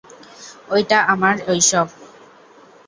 ওটা আমার ঐসব।